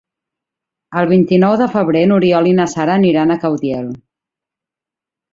El vint-i-nou de febrer n'Oriol i na Sara aniran a Caudiel.